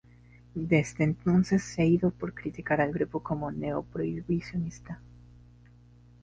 Desde entonces se ha ido por criticar al grupo como "Neo-prohibicionista".